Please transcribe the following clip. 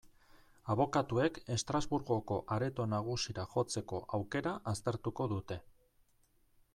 Abokatuek Estrasburgoko Areto Nagusira jotzeko aukera aztertuko dute.